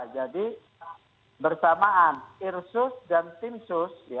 jadi bersamaan irsus dan timsus